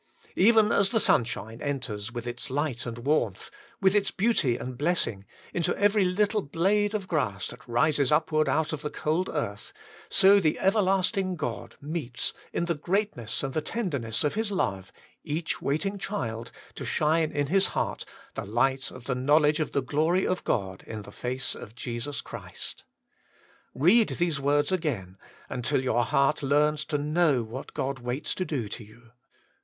Even as the sunshine enters with its light and warmth, with its beauty and blessing, into every little blade of grass that rises upward out of the cold earth, so the Everlasting God meets, in the greatness and the tenderness of His love, each waiting child, to shine in his heart *the light of the knowledge of the glory of God in the face of Jesus Christ.* Read these words again, until your heart learns to know what God waits to do to you.